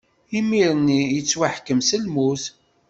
Imir-nni i yettwaḥkem s lmut.